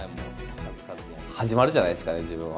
始じゃないですかね、自分は。